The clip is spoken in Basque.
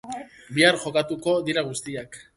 Bihar jokatuko dira guztiak.